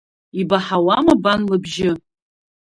Ибаҳауама бан лыбжьы?